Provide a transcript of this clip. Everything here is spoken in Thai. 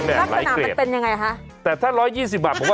แต่ว่าไม่รู้จะอธิบายอย่างไร